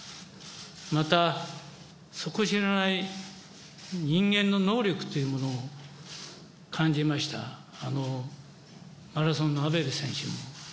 また、底知れない人間の能力というものを感じました、あのマラソンのアベベ選手も。